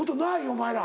お前ら。